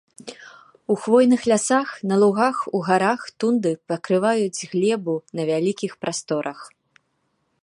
У хвойных лясах, на лугах, у гарах, тундры пакрываюць глебу на вялікіх прасторах.